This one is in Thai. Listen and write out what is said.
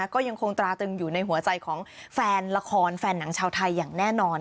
ก็ยังคงตราตึงอยู่ในหัวใจของแฟนละครแฟนหนังชาวไทยอย่างแน่นอน